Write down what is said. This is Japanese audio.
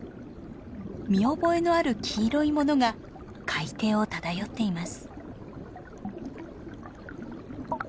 見覚えのある黄色いものが海底を漂っています。